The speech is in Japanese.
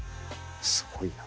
すごいな。